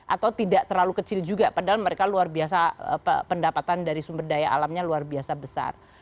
atau tidak terlalu kecil juga padahal mereka luar biasa pendapatan dari sumber daya alamnya luar biasa besar